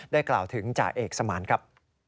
กล่าวถึงจ่าเอกสมานครับ